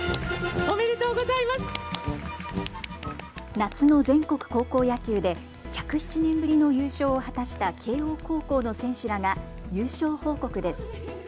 夏の全国高校野球で１０７年ぶりの優勝を果たした慶応高校の選手らが優勝報告です。